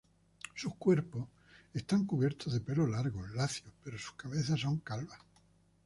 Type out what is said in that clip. Sus cuerpos están cubiertos de pelo largo, lacio pero sus cabezas son calvas.